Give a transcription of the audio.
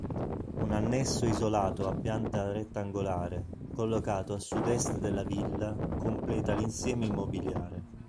Un annesso isolato a pianta rettangolare, collocato a sud-est della villa, completa l’insieme immobiliare.